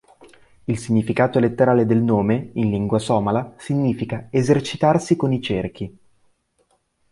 Il significato letterale del nome, in lingua somala, significa "esercitarsi con i cerchi".